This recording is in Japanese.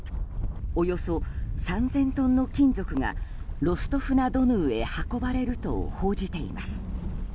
およそ３０００トンの金属がロストフ・ナ・ドヌーへ運ばれると報じています。